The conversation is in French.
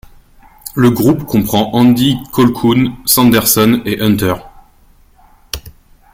Le groupe comprend Andy Colquhoun, Sanderson, et Hunter.